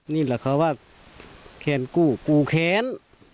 นี่แหละค่ะว่าแค้นกูกูแค้น